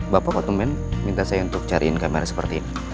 bapak pak tumen minta saya untuk cariin kamera seperti ini